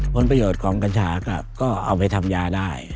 ผลประโยชน์ของกัญชาก็เอาไปทำยาได้